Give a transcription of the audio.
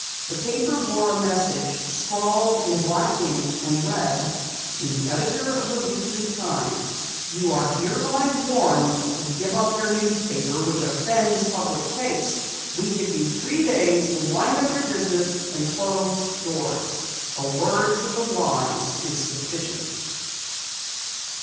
The paper bore a message scrawled in black ink and read: "To the Editor of the Weekly Times: You are hereby warned to give up your newspaper which offends public taste. We give you three days to wind up your business and close doors. A word to the wise is sufficient."